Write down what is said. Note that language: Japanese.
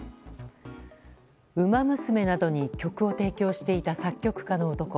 「ウマ娘」などに曲を提供していた作曲家の男。